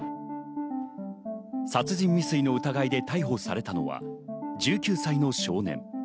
殺人未遂の疑いで逮捕されたのは、１９歳の少年。